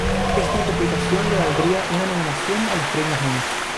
Esta interpretación le valdría una nominación a los premios Emmy.